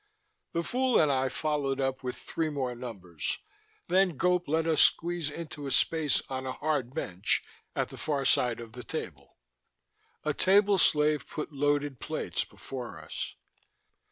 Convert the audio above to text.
The Fool and I followed up with three more numbers, then Gope let us squeeze into a space on a hard bench at the far side of the table. A table slave put loaded plates before us.